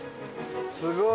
すごい！